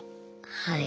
はい。